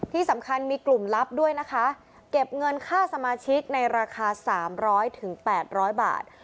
ที่สำคัญมีกลุ่มลับด้วยนะคะเก็บเงินค่าสมาชิกในราคา๓๐๐๘๐๐บาท